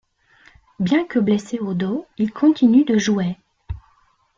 Bien que blessé au dos, il continue de jouer.